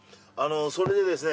それでですね